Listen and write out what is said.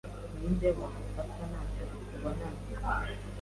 ninde wagufata ntacyo akubonana